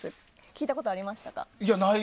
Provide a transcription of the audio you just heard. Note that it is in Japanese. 聞いたことがありましたか？